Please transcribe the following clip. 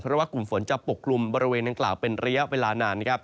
เพราะว่ากลุ่มฝนจะปกลุ่มบริเวณดังกล่าวเป็นระยะเวลานาน